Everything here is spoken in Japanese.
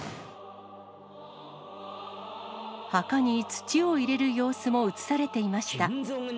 墓に土を入れる様子も映されていました。